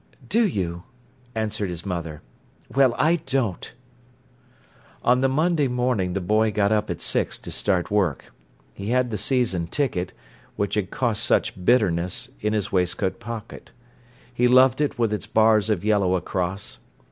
"Do you?" answered his mother. "Well, I don't." On the Monday morning the boy got up at six to start work. He had the season ticket, which had cost such bitterness, in his waistcoat pocket. He loved it with its bars of yellow across.